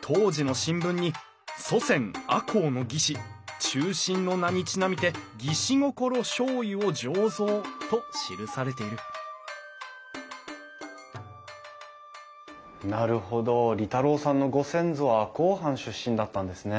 当時の新聞に「祖先赤穂の義士忠臣の名に因みて『義士心』醤油を醸造」と記されているなるほど利太郎さんのご先祖は赤穂藩出身だったんですね。